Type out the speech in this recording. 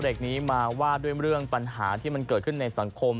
เด็กนี้มาว่าด้วยเรื่องปัญหาที่มันเกิดขึ้นในสังคม